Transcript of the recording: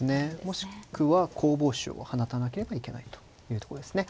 もしくは攻防手を放たなければいけないというとこですね。